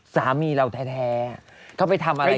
สามีเราแท้เขาไปทำอะไร